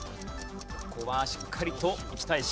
ここはしっかりといきたい。